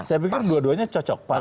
saya pikir dua duanya cocok pas